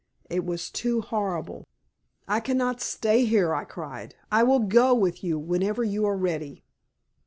It was too horrible. "I cannot stay here," I cried. "I will go with you whenever you are ready."